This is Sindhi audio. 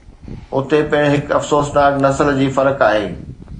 اتي پڻ هڪ افسوسناڪ نسل جي فرق آهي